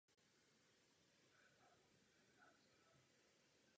Jejím účelem bylo zvýšení produkce francouzských kolonií.